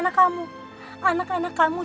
anak anak kamu cuman pun tidak ada yang bisa dihidupkan